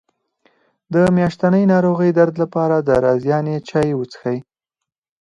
د میاشتنۍ ناروغۍ درد لپاره د رازیانې چای وڅښئ